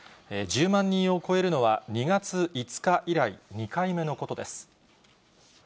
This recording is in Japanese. １０万人を超えるのは２月５日以来、２回目のことです。